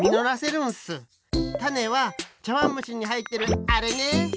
タネはちゃわんむしにはいってるあれね！